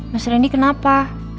mas randy kenapa